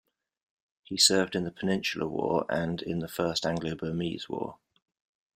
He served in the Peninsular War and in the First Anglo-Burmese War.